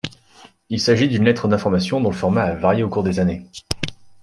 Il s'agit d'une lettre d'information dont le format a varié au cours des années.